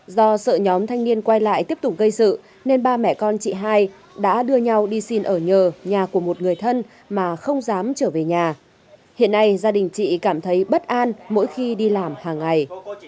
do sợ nhóm thanh niên quay lại tiếp tục gây sự nên ba mẹ con chị hai đã đưa nhau đi xin ở nhờ nhà của một người thân mà không dám trở về nhà hiện nay gia đình chị cảm thấy bất an mỗi khi đi làm hàng ngày